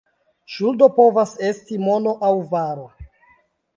Ŝuldo povas esti mono aŭ varo.